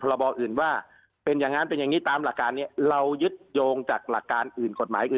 ผลบอบอื่นว่าเป็นอย่างงั้นเป็นอย่างงี้ตามหลักการเนี้ยเรายึดโยงจากหลักการอื่น